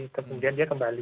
kemudian dia kembali